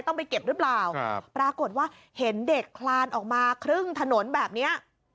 ต้องไปเก็บหรือเปล่าปรากฏว่าเห็นเด็กคลานออกมาครึ่งถนนแบบเนี้ย